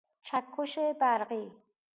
چکش برقی